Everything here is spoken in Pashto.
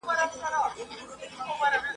ما چي څه لیکلي د زمان بادونو وړي دي ..